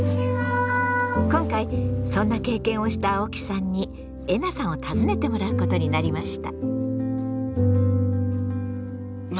今回そんな経験をした青木さんにえなさんを訪ねてもらうことになりました。